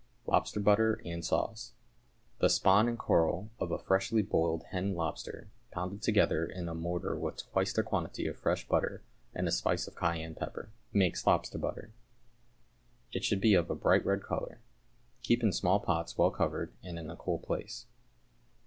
=Lobster Butter, and Sauce.= The spawn and coral of a freshly boiled hen lobster, pounded together in a mortar with twice their quantity of fresh butter and a spice of cayenne pepper, makes lobster butter. It should be of a bright red colour. Keep in small pots well covered, and in a cool place.